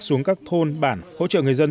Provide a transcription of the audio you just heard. xuống các thôn bản hỗ trợ người dân